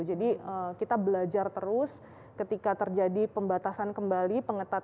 jadi kita belajar terus ketika terjadi pembatasan kembali